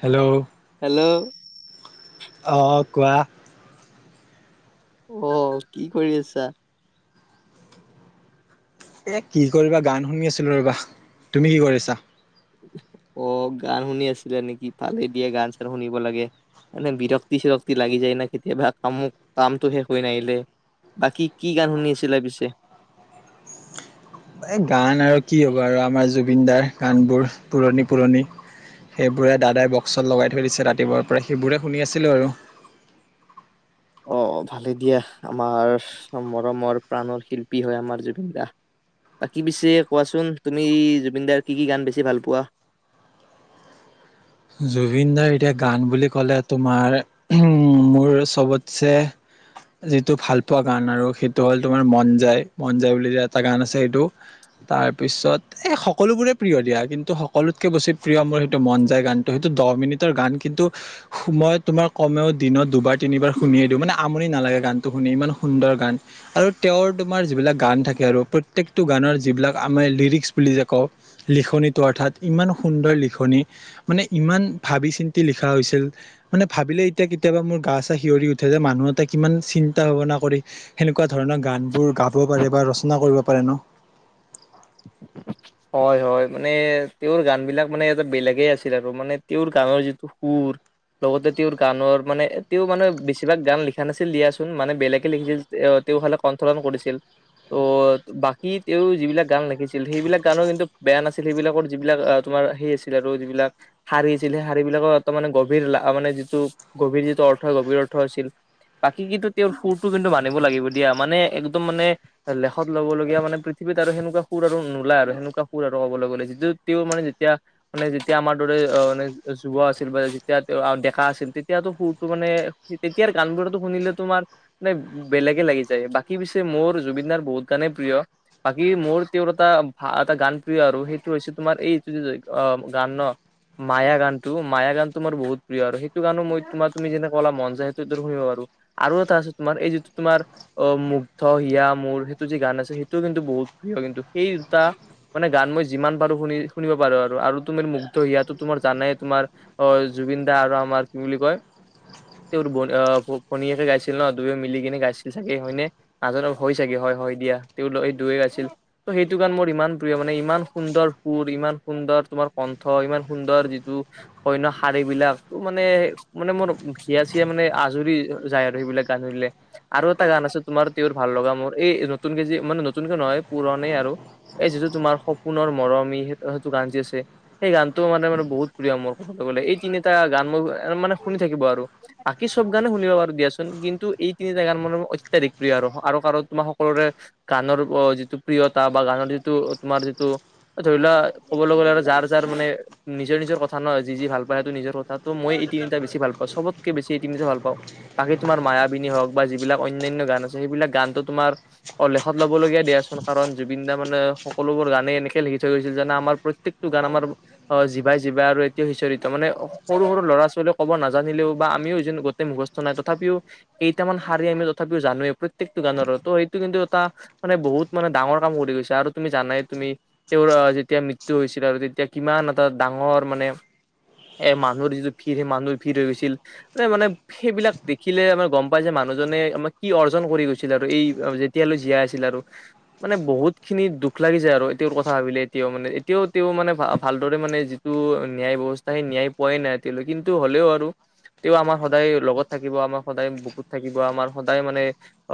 Hello. Hello. অঁ, কোৱা। অঁ, কি কৰি আছা? এ কি কৰিবা গান শুনি আছিলো ৰবা, তুমি কি কৰিছা? অ গান শুনি আছিলা নেকি? ভালে দিয়ে গান চান শুনিব লাগে। মানে বিৰক্তি চিৰক্তি লাগি যায় ন, কেতিয়াবা কাম কামটো শেষ হৈ নাহিলে। বাকী কি গান শুনি আছিলা পিছে? এ গান আৰু কি হ'ব আৰু আমাৰ জুবিন দাৰ গান বোৰ পুৰণি পুৰণি। সেইবোৰে দাদাই বক্সত লগাই থৈ দিছে ৰাতিপুৱাৰ পৰা, সেইবোৰে শুনি আছিলোঁ আৰু। অ ভালে দিয়া আমাৰ মৰমৰ প্ৰাণৰ শিল্পী হয়, আমাৰ জুবিন দা। বাকী পিছে কোৱাচোন তুমি জুবিনদাৰ কি কি গান বেছি ভাল পোৱা? জুবিন দাৰ এতিয়া গান বুলি ক'লে তোমাৰ উম, মোৰ চবতছে যিটো ভাল পোৱা গান আৰু সেইটো হ'ল তোমাৰ মন যায়, মন যায় বুলি এটা গান আছে সেইটো। তাৰপিছত এই সকলোবোৰে প্ৰিয় দিয়া কিন্তু সকলোতকৈ বেছি প্ৰিয় মোৰ সেইটো মন যায় গান টো, সেইটো দহ মিনিটৰ গান কিন্তু, মই তোমাৰ কমেও দিনত দুবাৰ তিনিবাৰ শুনিয়ে দিওঁ, মানে আমনি নালাগে গানটো শুনি ইমান সুন্দৰ গান। আৰু তেওঁৰ তোমাৰ যিবিলাক গান থাকে আৰু প্ৰত্যয়েকটো গানৰ যিবিলাক আমি লিৰিক্স বুলি যে কওঁ। লিখনিটো অৰ্থাৎ ইমান সুন্দৰ লিখনি। মানে ইমান ভাবি চিন্তি লিখা হৈছিল। মানে ভাবিলে এতিয়া কেতিয়াবা মোৰ গা চা সিঞঁৰি উঠে যে মানুহ এটা কিমান চিন্তা ভাৱনা কৰি সেনেকুৱা ধৰণৰ গান বোৰ গাব পাৰে বা ৰচনা কৰিব পাৰে ন। [inaudible] হয় হয়, মানে তেওঁৰ গান বিলাক মানে এটা বেলেগে আছিল আৰু মানে তেওঁৰ গানৰ যিটো সুৰ, লগতে তেওঁৰ গানৰ মানে তেওঁ মানে বেছিভাগ গান লিখা নাছিল দিয়াচোন মানে বেলেগে লিখিছিল। এ তেওঁ ফালে কণ্ঠলন কৰিছিল। ত বাকী তেওঁ যিবিলাক গান লিখিছিল সেইবিলাক গানো কিন্তু বেয়া নাছিল, সেইবিলাকৰ যিবিলাক অঁহ তোমাৰ সেই আছিল আৰু যিবিলাক শাৰী আছিল, সেই শাৰী বিলাকৰ তাৰ মানে গভীৰ মানে যিটো গভীৰ যিটো অৰ্থ গভীৰ অৰ্থ আছিল। বাকী কিটো তেওঁৰ সুৰটো কিন্তু মানিব লাগিব দিয়া মানে একদম মানে। লেখত ল'ব লগগীয়া মানে পৃথিৱীত আৰু সেনেকুৱা সুৰ আৰু নোলায় আৰু, সেনেকুৱা সুৰ আৰু কবলৈ গ'লে, যিটো তেওঁ মানে যেতিয়া মানে যেতিয়া আমাৰ দৰে মান যুৱ আছিল বা যেতিয়া ডেকা আছিল, তেতিয়াতো সুৰতটো মানে তেতিয়াৰ গানবোৰতো শুনিলে তোমাৰ মানে বেলেগে লাগি যায়, বাকী পিছে মোৰ জুবিনদাৰ বহুত গাণে প্ৰিয়। বাকি মুৰ তেওঁৰ এটা ভা এটা গান প্ৰিয় আৰু সেইটো হৈছে তোমাৰ এই যে অ' গান মায়া গানতটো, মায়া গান তোমাৰ বহুত প্ৰিয়। আৰু সেইটো গানো মই তোমাৰ তুমি যেনে ক'লা মন যায় সেইটো শুনিব পাৰো। আৰু এটা আছে, তোমাৰ এই যিটো তোমাৰ অ', মুগ্ধ হিয়া মোৰ সেইটো যি গান আছে, সেইটোও কিন্তু বহুত প্ৰিয় কিন্তু। সেই টা মানে গান মই যিমান পাৰো শুনি শুনিব পাৰো আৰু, তুমি মুগ্ধ সিয়াতো তোমাৰ জানাই তোমাৰ অ', জুবিন দা আৰু আমাৰ কি বুলি কয় তেওঁ ভতিয়েকে গাইছিল ন' দুয়ো মিলি কিনে গাইছিল চাগে হয়নে? আজ হৈ চাগে হয়- হয় দিয়া তেওঁ দুইও গাইছিল। যটো গান মোৰ ইমান প্ৰিয়, মানে ইমান সুন্দৰ সুৰ ইমান সুন্দৰ তোমাৰ কণ্ঠ, ইমান সুন্দৰ যিটো। অনইন শাৰী বিলাক মানে মানে মোৰ ঘিয়া চিয়া মানে আজৰি যায় আৰু সেইবিলাক গান খুনিলে। আৰু এটা গান আছে তোমাৰ তেওঁৰ ভাল লগা মোৰ, এই নতুনক যি মানে নতুনকে নহয় পুৰণেই আৰু। এই যিটো তোমাৰ সপোনৰ মৰমি সেই সেইটো গান যে আছে। সেই গানটো মানে মানে বহুত প্ৰিয় মোৰ, ক'বলৈ গ'লে এই তিনিটা গান মই মানে শুনি থাকিব আৰু। বাকী চব গানে শুনিব পাৰু দিয়াচোন, কিন্তু এই তিনিটা গান মান অত্যাধিক প্ৰিয়। আৰু আৰু কাৰ তোমাৰ সকলোৰে গানৰ যিটো প্ৰিয়তা বা গানৰ যিটো তোমাৰ যিটো ধৰি লোৱা ক'বলৈ গ'লে আৰু যাৰ যাৰ মানে নিজৰ নিজৰ কথা নহ যি যি ভাল পায়। সেইটো নিজৰ কথা ত' মই এই তিনিটা বেছি ভাল পাওঁ, চবতকে বেছি এই তিনিটা ভাল পাওঁ। বাকী তোমাৰ মায়াবিনী হওক বা যিবিলাক অন্যান্য গান আছে, সেইবিলাক গানতো তোমাৰ অলেখত ল'বলগীয়া দিয়াচোন কাৰণ জুবিন দা মানে সকলোবোৰ গানেই এনেকে লিখি থৈ গৈছিল, যেনে আমাৰ প্ৰত্যেকটো গান আমাৰ অ', জিভাই জিভা আৰু এতিয়া সিঁৰিত মানে, সৰু সৰু ল'ৰা ছোৱালীয়ে ক'ব নাজানিলেও বা আমিও য' মুখস্থ নাই তথাপিও কেইটামান শাৰী আমি তথাপিও জানোৱেই প্ৰত্যেকটো গানৰো, ত' সেইটো কিন্তু এটা মানে বহুত মানে ডাঙৰ কাম কৰি গৈছে আৰু তুমি জানাই তুমি তেওঁৰ আহ যেতিয়া মৃত্যু হৈছিল আৰু তেতিয়া কিমান এটা ডাঙৰ মানে এ' মানুহৰ যিটো ভিৰ সেই মানুহৰ ভিৰ হৈ গৈছিল এ' মানে সেইবিলাক দেখিলে আমাৰ গম পাই যে, মানুহজনে আমাৰ কি অৰ্জন কৰি গৈছিল, আৰু এই যেতিয়ালৈ জীয়াই আছিল আৰু। মানে বহুত খিনি দুখ লাগি যায় আৰু এতিৰ কথা ভাবিলে এতিয়াও মানে এতিয়াও, তেওঁ মানে ভালদৰে মানে টো ন্যায় ব্যয়ৱস্থা সেই ন্যায় পোৱাই নাই, এতিয়াল কিন্তু হ'লেও আৰু তে আমাৰ সদায় লগত থাকিব, আমাৰ সদায় বুকুত থাকিব আমাৰ সদায় মানে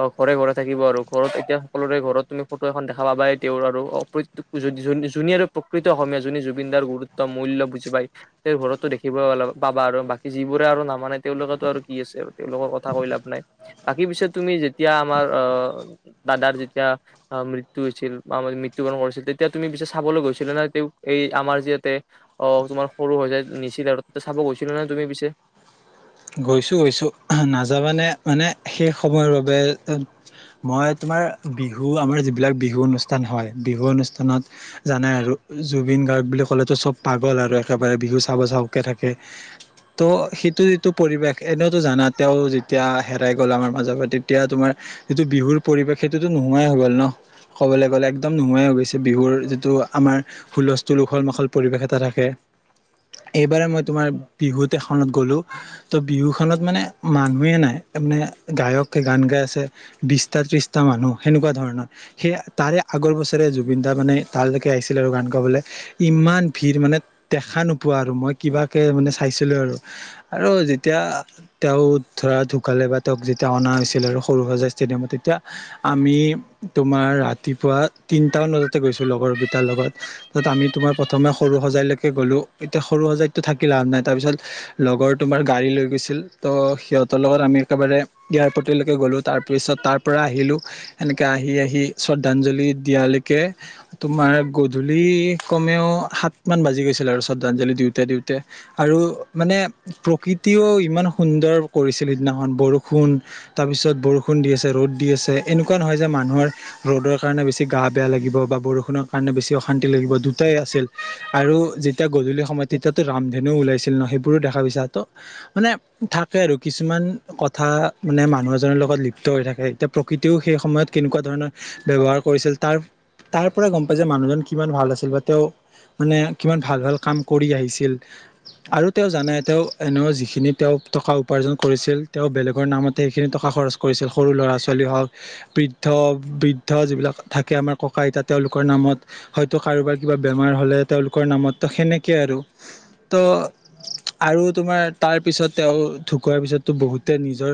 অ', ঘৰে ঘৰে থাকিব আৰু ঘৰত এতিয়া সকলোৰে ঘৰত তুমি ফটো এখন দেখা পাব পাই তেওঁৰ আৰু, পত্যক যুন আৰু প্ৰকৃত অসমীয়া যোনে জুবিনদাৰ গুৰুত্ব মূল্য বুজি পায়। তেওঁৰ ঘৰতটো দেখিব পাবা আৰু বাকী যিবোৰে আৰু নামানে তেওঁলোকেতো আৰু কি আছে আৰু তেওঁলোকৰ কথা কৈ লাভ নাই। বাকী পিছত তুমি যেতিয়া আমাৰ আহ দাদাৰ যেতিয়া মৃত্যু হৈছিল বা আ মৃত্যুকৰৰণ কৰিছিল, তেতিয়া তুমি পিছে চাবলৈ গৈছিলা নে? তেওঁ এই আমাৰ যিয়াতে অ', তোমাৰ সৰুসজাই নিছিলিলে আৰু তাতে চাব গৈছিলো নে তুমি পিছে? গৈছো- গৈছো নাযাবানে মানে সেই সময়ৰ বাবে। মই তোমাৰ বিহু আমাৰ যিবিলাক বিহু অনুষ্ঠান হয়। বিহু অনুষ্ঠানত জানাই আৰু জুবিন গাৰ্গ বুলি ক'লেতো চব পাগল আৰু একেবাৰে বিহু চাব- চাবকে থাকে। ত' সেটো টো পৰিৱেশ এনেওঁতো জানা তেওঁ যেতিয়া হেৰাই গ'ল আমাৰ মাজৰ পৰা তেতিয়া তোমাৰ যিটো বিহুৰ পৰিৱেশ সেইটোতো নোহোৱাই হৈ গ'ল ন, ক'বলৈ গ'লে একদম নোহোৱাই হৈ গ ছে বিহুৰ যিটো আমাৰ হুলস্থুল, উখল-মাখল পৰিৱেশ এটা থাকে। এইবাৰে মই তোমাৰ বিহুত এখনত গ'লোঁ ত' বিহু খনত মানে মানুহে নাই এ, মানে গায়ক গান গাই আছে বিছটা-ত্ৰিছটা মানুহ সেনেকুৱা ধৰণৰ সে তাৰে আগৰ বছৰে জুবিন দা মানে তালৈকে আহিছিল আৰু গান গাবলে। ইমান ভিৰ মানে দেখা নোপোৱা আৰু মই কিবাকে মানে চাইছিলোঁ আৰু। আৰু যেতিয়া তেওঁ ধৰা ঢুকালে বা তেওঁক যেতিয়া অনা হৈছিল আৰু সৰুসজাই ষ্টেডিয়ামো তেতিয়া আমি তোমাৰ ৰাতিপুৱা তিনটামান বজাতে গৈছোঁ, লগৰ কেইটাৰ লগত তাত আমি তোমাৰ প্ৰথমে সৰু সজাই লৈকে গ'লোঁ এতিয়া সৰু সজাইতটো থাকি লাভ নাই তাৰপিছত লগৰ তোমাৰ গাড়ী লৈ গৈছিল তো সিহঁতৰ লগত আমি একেবাৰে এয়াৰপৰ্টলৈকে গ'লো তাৰ পিছত তাৰ পৰা আহিলোঁ এনেকে আহি, আহি শ্ৰদ্ধাঞ্জলি দিয়ালৈকে তোমাৰ গধূলি কমেওঁ সাত মান বাজি গৈছিল আৰু শ্ৰদ্ধাঞ্জলি দিওঁতে, দিওঁতে। আৰু মানে প্ৰকৃতিও ইমান সুন্দৰ কৰিছিল সিদিনাখন বৰষুণ তাৰপিছত বৰষুণ দি আছে, ৰ'দ দি আছে এনেকুৱা নহয় যে মানুহৰ ৰ'দৰ কাৰণে বেছি গা বেয়া লাগিব বা বৰষুণৰ কাৰণে বেছি অশান্তি লাগিব দু টাই আছিল আৰু যেতিয়া গধূলি সময়ত তেতিয়াতো ৰামধেনুওঁ ওলাইছিল ন, সেইবোৰো দেখা পাইছ [unintelligible] মানে থাকে আৰু কিছুমান কথা মানে মানুহ এজনৰ লগত লিপ্ত হৈ থাকেই। এতিয়া প্ৰকৃতিওঁ সেই সময়ত কেনেকুৱা ধৰণৰ ব্যৱহাৰ কৰিছিল তাৰ তাৰ পৰাই গম পাই যে, মানুহজন কিমান ভাল আছিল বা তেওঁ মানে কিমান ভাল, ভাল কাম কৰি আহিছিল আৰু তেওঁ জানে তেওঁ এনেও যিখিনি তেওঁ টকা উপাৰ্জন কৰিছিল তেওঁ বেলেগৰ নামতে সেইখিনি টকা খৰচ কৰিছিল সৰু ল'ৰা-ছোৱালী হওঁক বৃদ্ধ, বৃদ্ধ যিবিলাক থাকে আমাৰ ককা-আইতা তেওঁলোকৰ নামত হয়তো কাৰোবাৰ কিবা বেমাৰ হ'লে তেওঁলোকৰ নামত ত' সেনেকে আৰু। ত, আৰু তোমাৰ তাৰ পিছত তেওঁ ঢুকোৱাৰ পিছততো বহুতে নিজৰ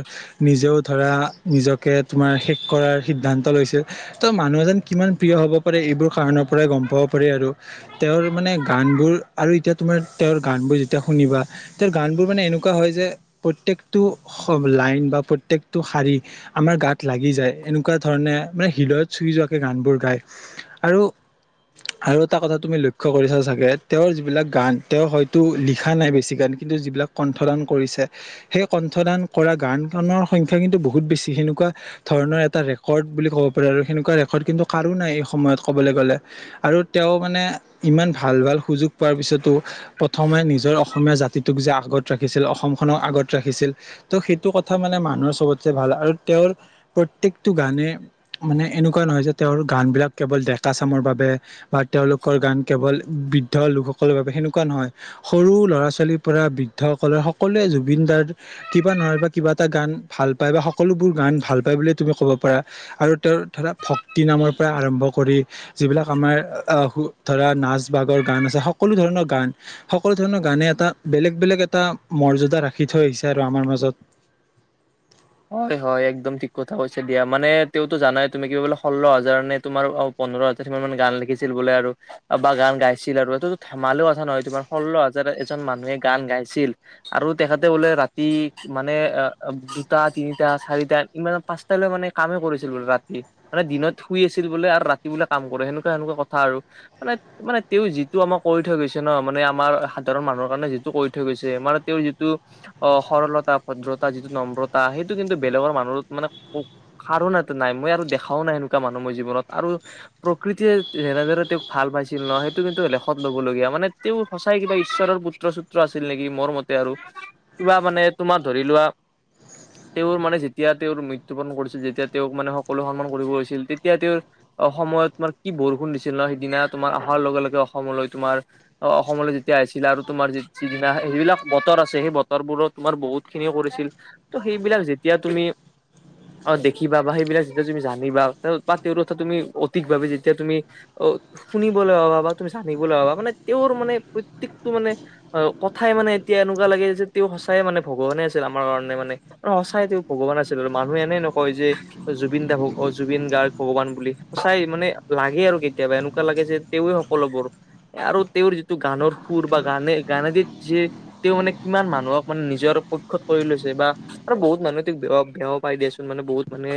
নিজেও ধৰা নিজ কে তোমাৰ শেষ কৰাৰ সিদ্ধান্ত লৈছে ত' মানুহ এজন কিমান প্ৰিয় হ'ব পাৰে এইবোৰ কাৰনৰ পৰাই গম পাব পাৰি আৰু। তেওঁৰ মানে গান বোৰ আৰু এতিয়া তোমাৰ তেওঁৰ গান বোৰ যেতিয়া শুনিবা তেওঁৰ গানবোৰ মানে এনেকুৱা হয় যে, প্ৰত্যেকটো লাইন বা প্ৰত্যেকটো শাৰী আমাৰ গাত লাগি যায় এনেকুৱা ধৰণে মানে, হৃদয়ত চুই যোৱাকে গান বোৰ গায়। আৰু আৰু এটা কথা তুমি লক্ষ্য কৰিছা চাগে, তেওঁৰ যিবিলাক গান তেওঁ হয়তো লিখা নাই বেছি গান কিন্তু যিবিলাক কণ্ঠদান কৰিছে সেই কণ্ঠদান কৰা গান খনৰ সংখ্যা কিন্তু বহুত বেছি, সেনেকুৱা ধৰণৰ এটা ৰেকৰ্ড বুলি ক'ব পাৰা আৰু সেনেকুৱা ৰেকৰ্ড কিন্তু কাৰোঁ নাই এই সময়ত কবলৈ গ'লে। আৰু তেওঁ মানে ইমান ভাল, ভাল সুযোগ পোৱাৰ পিছতো প্ৰথমে নিজৰ অসমীয়া জাত তিটোক যে আগত ৰাখিছিল, অসমখনক আগত ৰাখিছিল ত' সেইটো কথা মানে মানুহৰ চবতচে ভাল আৰু তেওঁৰ প্ৰত্যকটো গানে মানে এনেকুৱা নহয় যে, তেওঁৰ গানবিলাক কেৱল ডেকা চামৰ বাবে বা তেওঁলোকৰ গান কেৱল বৃদ্ধ লোকসকলৰ বাবে সেনেকুৱা নহয় সৰু ল'ৰা ছোৱালী পৰা বৃদ্ধসকলৰ সকলোৱে জুবিনদাৰ কিবা নহ'বা কিবা এটা গান ভাল পায় বা সকলোবোৰ গান ভাল পায় বুলিয়ে তুমি ক'ব পাৰা আৰু তেওঁ ধৰা ভক্তি নামৰ পৰা আৰম্ভ কৰি যিবিলাক আমাৰ আহ ধৰা নাচ বাগৰ গান আছে সকলো ধৰণৰ গান সকলো ধৰণৰ গানে এটা বেলেগ বেলেগ এটা মৰ্যদা ৰাখি থৈ আহিছে আৰু আমাৰ মাজত হয় হয় একদম ঠিক কথা কৈছে দিয়া মানে তেওঁতো জানাই তুমি কিবা বোলে ষোল্ল হাজাৰ নে তোমাৰ পোন্ধৰ হাজাৰ মান গান লিখিছিল বোলে আৰু বা গান গাইছিল আৰু এইটোতো ধেমালি কথা নহয় তোমাৰ ষোল্ল হাজাৰ এজন মানুহে গান গাইছিল আৰু তেখেতে বোলে ৰাতি মানে অ দুটা, তিনিটা, চাৰিটা, ইমান পাঁচটালৈ মানে কামেই কৰিছিল বোলে ৰাতি। মানে দিনত শুই আছিল বোলে আৰু ৰাতি বোলে কাম কৰে সেনেকুৱা সেনেকুৱা কথা আৰু মানে মানে তেওঁ যিটো আমাক কৰি থৈ গৈছে ন মানে আমাৰ সাধাৰণ মানুহৰ কাৰণে যিটো কৰি থৈ গৈছে মানে তেওঁৰ যিটো অ সৰলতা ভদ্ৰতা যিটো নম্ৰতা সেইটো কিন্তু বেলেগৰ মানুহত মানে কাৰো তাতে নাই মই আৰু দেখাও নাই এনেকুৱা মানুহ মই জীৱনত আৰু প্ৰকৃতিয়ে যেনেদৰে তেওঁক ভাল পাইছিল ন সেইটো কিন্তু লেখত ল'বলগীয়া মানে তেওঁ সঁচাই কিবা ঈশ্বৰৰ পুত্ৰ চুত্ৰ আছিল নেকি মোৰ মতে আৰু কিবা মানে তোমাৰ ধৰি লোৱা তেওঁৰ মানে যেতিয়া তেওঁৰ মৃত্যু পৰণ কৰিছিল যেতিয়া তেওঁক মানে সকলোৱে সন্মান কৰিব হৈছিল তেতিয়া তেওঁৰ অসমত তোমাৰ কি বৰষুণ দিছিল ন সিদিনা তোমাৰ অহাৰ লগে লগে অসমলৈ তোমাৰ অ অসমলৈ যেতিয়া আহিছিলে আৰু তোমাৰ যিদিনা সেইবিলাক বতৰ আছে সেই বতৰবোৰত তোমাৰ বহুত খিনিয়ে কৰিছিল ত সেইবিলাক যেতিয়া তুমি অ দেখিবা বা সেইবিলাক যেতিয়া তুমি জানিবা বা তেওঁৰ কথা তুমি সঠিকভাৱে যেতিয়া তুমি অ শুনিবলৈ পাবা বা তুমি জানিবলৈ পাবা মানে তেওঁৰ মানে প্ৰত্যেকটো মানে অ কথাই মানে এতিয়া এনেকুৱা লাগে যে তেওঁ সঁচাইে মানে ভগৱানে আছিল আমাৰ কাৰণে মানে। অঁ সঁচাই তেওঁ ভগৱান আছিলে আৰু মানুহে এনেই নকয় যে জুবিন দা অ জুবিন গাৰ্গ ভগৱান বুলি সঁচাই মানে লাগে আৰু কেতিয়াবা এনেকুৱা লাগে যে তেওঁৱে সকলোবোৰ আৰু তেওঁৰ যিটো গানৰ সুৰ বা গানে গানে যে তেওঁ মানে কিমান মানুহক মানে নিজৰ পক্ষত কৰি লৈছে বা আৰু বহুত মানুহে তেওঁক বেয়াও পায় দিয়াচোন মানে বহুত মানে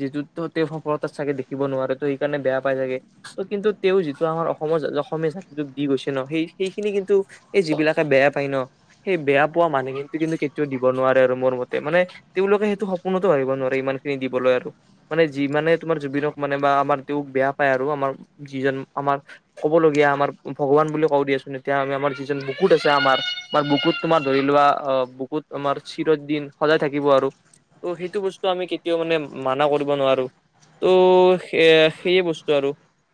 যিটোতো তেওঁ সফলতা চাগে দেখিব নোৱাৰে তো সেইকাৰণে বেয়া পাই চাগে ত' কিন্তু তেওঁ যিটো আমাৰ অসমৰ অসমীয়া জাতিটোক দি গৈছে ন সেই সেইখিনি কিন্তু এই যিবিলাকে বেয়া পায় ন সেই বেয়া পোৱা মানুহখিনি কিন্তু কেতিয়াও দিব নোৱাৰে আৰু মোৰ ম তে মানে তেওঁলোকে সেইটো সপোনতো ভাবিব নোৱাৰে ইমান খিনি দিবলৈ আৰু মানে যি মানে তোমাৰ জুবিনক মানে বা আমাৰ তেওঁক বেয়া পায় আৰু আমাৰ যিজন আমাৰ ক'বলগীয়া আমাৰ ভগৱান বুলি কওঁ দিয়াচোন এতিয়া আমাৰ যিজন বুকুত আছে আমাৰ আমাৰ বুকুত তোমাৰ ধৰি লোৱা অ বুকুত আমাৰ চিৰদিন সদায় থাকিব আৰু ত' সেইটো বস্তু আমি কেতিয়াও মানে মানা কৰিব নোৱাৰোঁ ত' সেয়ে সেই বস্তু আৰু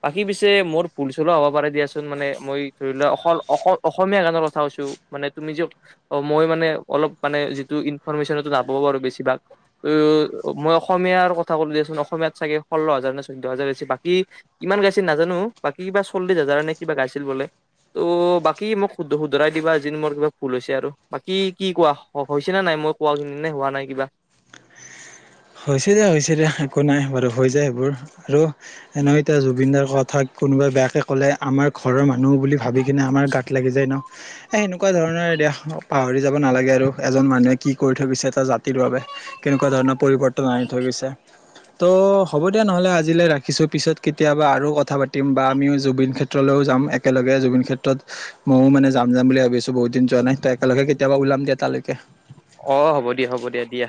বাকী পিছে মোৰ ভুল চুলো হ'ব পাৰে দিয়াচোন মানে মই ধৰি লোৱা অকল অ অসমীয়া গানৰ কথা কৈছোঁ মানে তুমি যে অ মই মানে অলপ মানে যিটো ইনফৰমেশ্যনটো যাব পাৰো বেছিভাগ অ মই অসমীয়াৰ কথা কলো দিয়াচোন অসমীয়াত চাগে ষোল্ল হাজাৰ ন চৈধ্য হাজাৰ বাকী কিমান গাইছিল নাজানো বাকী কিবা চল্লিশ হাজাৰ নে কিবা গাইছিল বোলে ত' বাকী মোক শুধৰাই দিবা যি মোৰ কিবা ভুল হৈছে আৰু বাকী কি কোৱা হৈছে নে নাই মো ৰ [unintelligible] নে হোৱা নাই কিবা হৈছে দে হৈছে দে একো নাই বাৰু হৈ যায় সেইবোৰ আৰু এনেও এতিয়া জুবিনদাৰ কথা কোনোবাই বেয়াকৈ ক'লে আমাৰ ঘৰৰ মানুহ বুলি ভাবি কিনে আমাৰ গাত লাগি যায় ন। এই এনেকুৱা ধৰণৰ এতিয়া পাহৰি যাব নালাগে আৰু এজন মানুহে কি কৰি থৈ গৈছে এটা জাতিৰ বাবে। কেনেকুৱা ধৰণৰ পৰিৱৰ্তন আনি থৈ গৈছে। তোৰ হ'ব দিয়া নহ'লে আজিলৈ ৰাখিছোঁ। পিছত কেতিয়াবা আৰু কথা পাতিম বা আমিও জুবিন ক্ষেত্ৰ ক্ষেত্ৰলৈও যাম, একেলগে জুবিন ক্ষেত্ৰত মইয়ো মানে যাম যাম বুলি ভাবি আছোঁ বহুত দিন যোৱা নাই। তেই একেলগে কেতিয়াবা ওলাম দিয়া তালৈকে অ' হ'ব দিয়া, হ'ব দিয়া, দিয়া।